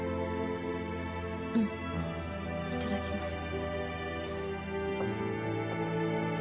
うんいただきます。